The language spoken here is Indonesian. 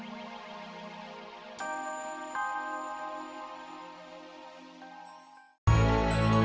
tidak jadi salah aku